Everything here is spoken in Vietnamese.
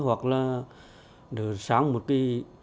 hoặc là sáng một đêm